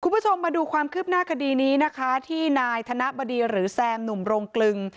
คุณผู้ชมมาดูความคืบหน้าคดีนี้นะคะที่นายธนบดีหรือแซมหนุ่มโรงกลึง